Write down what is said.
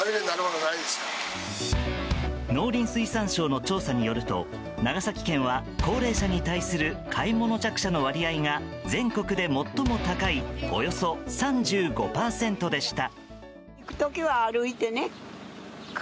農林水産省の調査によると長崎県は高齢者に対する買い物弱者の割合が全国で最も高いおよそ３５％でした。